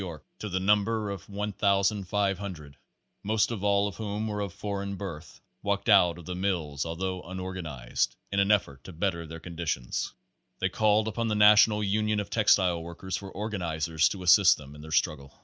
Y., to the number of 1,500, most all of whom were of foreign birth, walked out of the mills although unorganized, in an effort to better their conditions. They called upon the National Union of Textile Workers for organizers to assist them in their struggle.